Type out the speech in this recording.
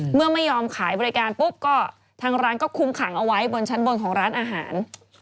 ไม่ยอมขายบริการปุ๊บก็ทางร้านก็คุมขังเอาไว้บนชั้นบนของร้านอาหาร